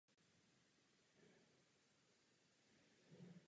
Italská vláda využila katastrofy k podpoře industrializace v severovýchodní Itálii.